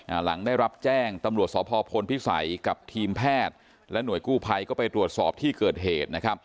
หลังได้รับแจ้งตำรวจสพพลพิสัยกับทีมแพทย์และหน่วยกู้ภัยก็ไปตรวจสอบที่เกิดเหตุนะครับ